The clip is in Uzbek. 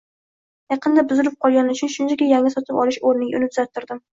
Yaqinda buzilib qolgani uchun shunchaki yangi sotib olish oʻrniga uni tuzattirdim.